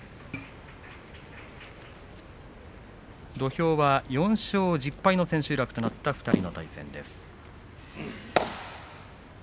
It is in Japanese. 土俵は４勝１０敗の千秋楽となった２人の対戦です。